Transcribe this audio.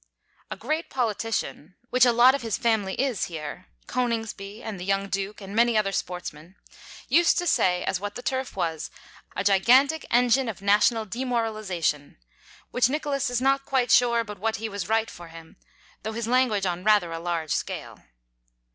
A great politician—which a lot of his family is here, Coningsby, and the Young Duke, and many other sportsmen—used to say as what the Turf was "a gigantic engine of national demoralisation;" which Nicholas is not quite sure but what he was right for him, though his language on rather a large scale.